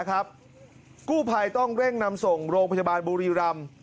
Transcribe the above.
กู้ภัยต้องเร่งนำส่งโรงพยาบาลบุรีรำ